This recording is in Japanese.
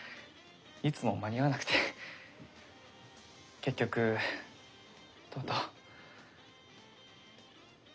いつも間に合わなくて結局とうとう。